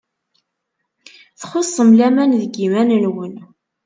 Txuṣṣem laman deg yiman-nwen.